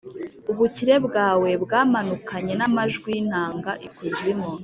Ubukire bwawe bwamanukanye n’amajwi y’inanga ikuzimu,